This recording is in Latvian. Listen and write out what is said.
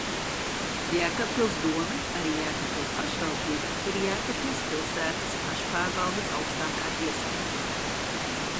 Jēkabpils dome, arī Jēkabpils pašvaldība, ir Jēkabpils pilsētas pašpārvaldes augstākā iestāde.